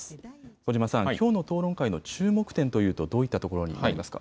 小嶋さん、きょうの討論会の注目点というと、どういったところになりますか。